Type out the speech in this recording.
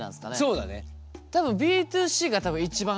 そうだね。